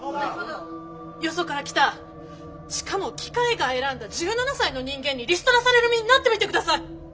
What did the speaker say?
よそから来たしかも機械が選んだ１７才の人間にリストラされる身になってみてください！